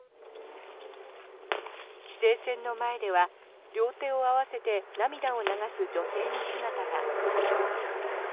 規制線の前では、両手を合わせて涙を流す女性の姿が。